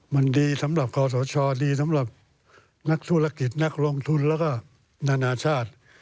มันดีสำหรับคอสชดีสำหรับนักธุรกิจนักลงทุนแล้วก็นานาชาติ